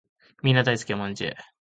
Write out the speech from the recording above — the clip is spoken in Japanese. みんな大好きお饅頭